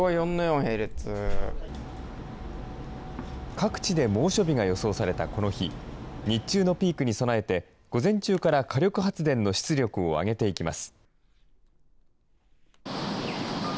各地で猛暑日が予想されたこの日、日中のピークに備えて、午前中から火力発電の出力を上げていきます。